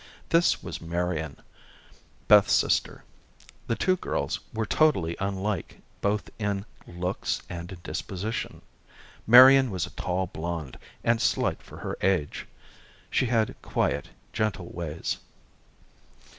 This was Marian, Beth's sister. The two girls were totally unlike both in looks and in disposition. Marian was a tall blonde, and slight for her age. She had quiet, gentle ways.